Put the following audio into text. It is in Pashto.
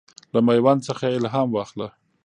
له میوند څخه الهام واخله.